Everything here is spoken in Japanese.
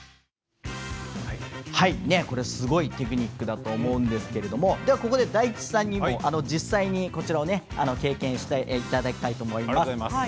すごいテクニックだと思うんですけれどもここで大吉さんに実際にこちら、経験していただきたいと思います。